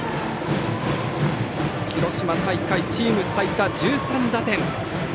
広島大会チーム最多１３打点。